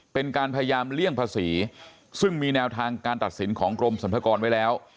เป็นการพยายามเลี่ยงภาษีซึ่งมีแนวทางการตัดสินของกรมสรรพากรไว้แล้ว